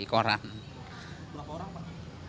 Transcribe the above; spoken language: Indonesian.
berapa orang pak